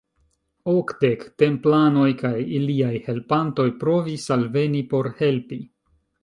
Okdek templanoj kaj iliaj helpantoj provis alveni por helpi.